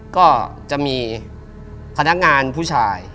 ก็จะมีพนักงานผู้ชาย